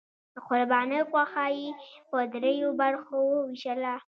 د قربانۍ غوښه یې په دریو برخو وویشله.